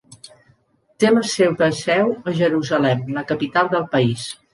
Té la seva seu a Jerusalem, la capital del país.